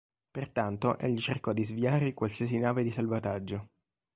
Pertanto egli cercò di sviare qualsiasi nave di salvataggio.